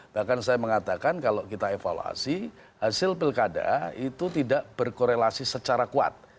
bahkan saya mengatakan kalau kita evaluasi hasil pilkada itu tidak berkorelasi secara kuat